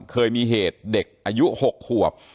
เคยมีเหตุเด็กอายุ๖ขวบ